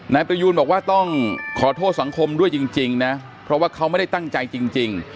นายประยูนบอกว่าต้องขอโทษสังคมด้วยจริงนะเพราะว่าเขาไม่ได้ตั้งใจจริง